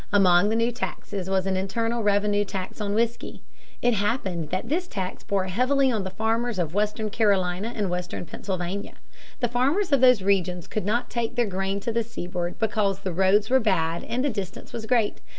Among the new taxes was an internal revenue tax on whiskey. It happened that this tax bore heavily on the farmers of western Carolina and western Pennsylvania. The farmers of those regions could not take their grain to the seaboard because the roads were bad and the distance was great.